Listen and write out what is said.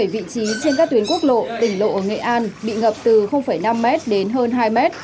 bảy vị trí trên các tuyến quốc lộ tỉnh lộ ở nghệ an bị ngập từ năm m đến hơn hai m